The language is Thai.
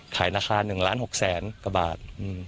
ขายราคา๑ล้าน๖แสนกว่าบาท